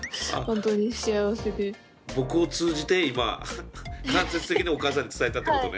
僕を通じて今間接的にお母さんに伝えたってことね。